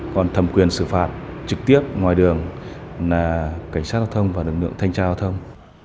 còn thầm quyền xử phạt trực tiếp ngoài đường là cảnh sát hoa thông và lực lượng thanh trao hoa thông